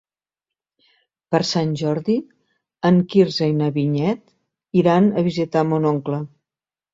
Per Sant Jordi en Quirze i na Vinyet iran a visitar mon oncle.